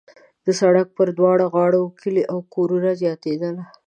د سړک پر دواړو غاړو کلي او کورونه زیاتېدل.